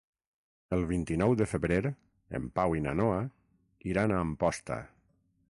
El vint-i-nou de febrer en Pau i na Noa iran a Amposta.